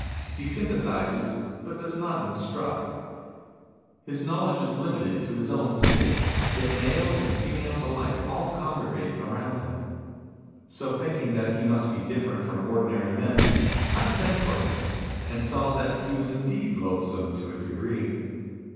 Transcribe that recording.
He sympathises, but does not instruct. THE LEPER PRIME MINISTER 73 His knowledge is limited to his own state. Yet males and females alike all congregate around him. "' So thinking that he must be different from ordinary men, I sent for him, and saw that he was indeed loathsome to a degree.